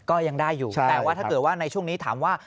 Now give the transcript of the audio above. ก็ยังได้อยู่แต่ว่าถ้าเกิดว่าในช่วงนี้ถามว่า